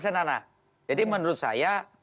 anak jadi menurut saya